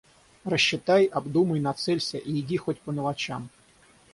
Рассчитай, обдумай, нацелься — и иди хоть по мелочам.